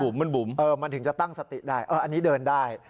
มันบุ๋มมันถึงจะตั้งสติได้อันนี้เดินได้